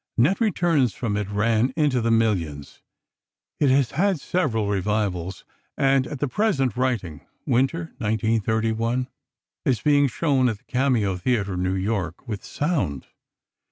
Net returns from it ran into the millions. It has had several revivals, and at the present writing (Winter, 1931), is being shown at the Cameo Theatre, New York, "with sound."